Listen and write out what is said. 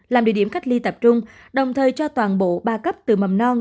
làm địa điểm cách ly tập trung đồng thời cho toàn bộ ba cấp từ mầm non